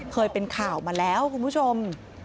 เคยเป็นข่าวมาแล้วคุณผู้ชม